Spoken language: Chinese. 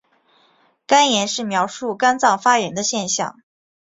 肝炎是描述肝脏发炎的现象。